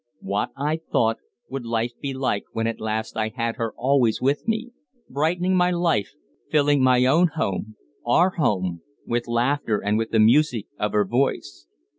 What, I thought, would life be like when at last I had her always with me, brightening my life, filling my own home our home with laughter and with the music of her voice!